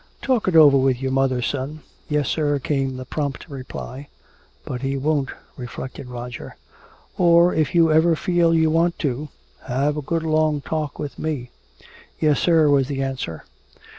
"Talk it over with your mother, son." "Yes, sir," came the prompt reply. "But he won't," reflected Roger. "Or if you ever feel you want to, have a good long talk with me." "Yes, sir," was the answer.